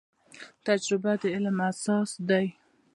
تجربه د علم اساس دی